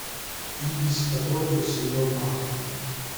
Il visitatore del signor Martin.